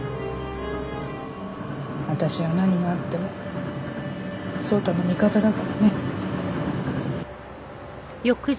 私は何があっても颯太の味方だからね。